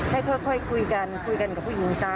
ค่อยคุยกันคุยกันกับผู้หญิงซะ